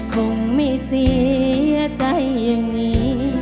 คงไม่เสียใจอย่างนี้